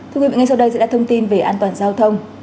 thưa quý vị ngay sau đây sẽ là thông tin về an toàn giao thông